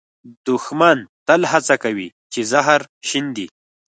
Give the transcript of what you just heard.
دښمن تل هڅه کوي چې زهر شیندي